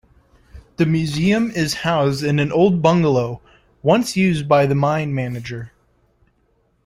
The museum is housed in an old bungalow once used by the mine manager.